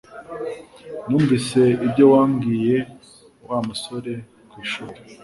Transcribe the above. Numvise ibyo wabwiye Wa musore ku ishuri